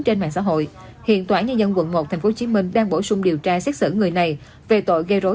trên mạng xã hội hiện tòa án nhân dân quận một tp hcm đang bổ sung điều tra xét xử người này về tội gây rối